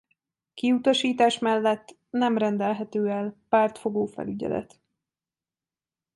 Kiutasítás mellett nem rendelhető el pártfogó felügyelet.